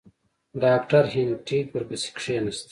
ډاکټر هینټیګ ورپسې کښېنست.